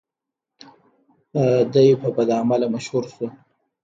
دی په بدعمله مشهور شو.